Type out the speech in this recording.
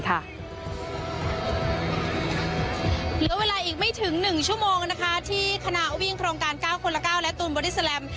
เหลือเวลาอีกไม่ถึง๑ชั่วโมงนะคะที่คณะวิ่งโครงการ๙คนละ๙และตูนบอดี้แลม